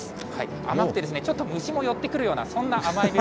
甘くてちょっと虫も寄ってくるような、そんな甘い。